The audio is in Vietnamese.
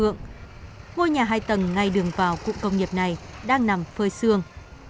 ngôi nhà hai tầng ngay đường vào cụm công nghiệp này đang nằm phơi xương